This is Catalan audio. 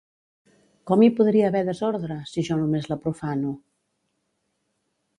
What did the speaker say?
Com hi podria haver desordre, si jo només la profano?